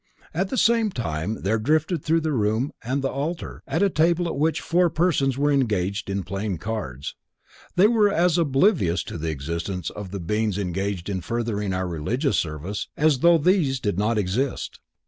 At the same time there drifted through the room and the altar, a table at which four persons were engaged in playing cards. They were as oblivious to the existence of the beings engaged in furthering our religious service, as though these did not exist.